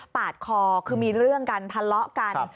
ปาดคอคือมีเรื่องกันทะเลาะกัน